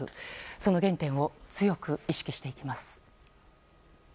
その原点を強く意識していきます。